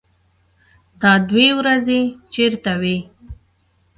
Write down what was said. _دا دوې ورځې چېرته وې؟